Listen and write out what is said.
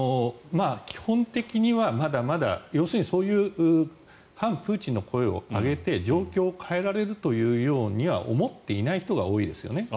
基本的にはまだまだ要するにそういう反プーチンの声を上げて状況を変えられると思っていない人が多いですよね。